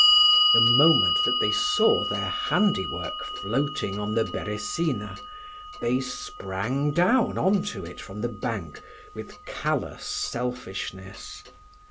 The moment that they saw their handiwork floating on the Beresina, they sprang down onto it from the bank with callous selfishness.